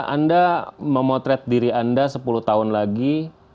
anda memotret diri anda sepuluh tahun lagi